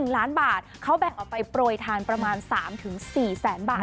๑ล้านบาทเขาแบ่งออกไปโปรยทานประมาณ๓๔แสนบาท